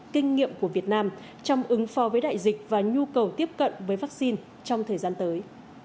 kinh nghiệm của việt nam trong ứng pho với đại dịch và nhu cầu tiếp cận với vaccine trong thời gian tới